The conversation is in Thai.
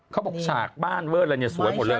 เขาบอกฉากบ้านเวิร์ดอะไรสวยหมดเลย